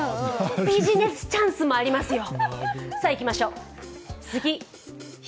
ビジネスチャンスもありますよ。